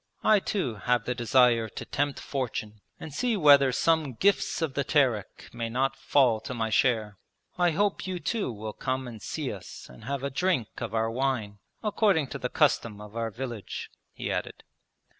I too have the desire to tempt fortune and see whether some Gifts of the Terek may not fall to my share. I hope you too will come and see us and have a drink of our wine, according to the custom of our village,' he added.